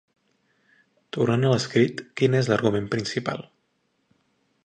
Tornant a l'escrit, quin és l'argument principal?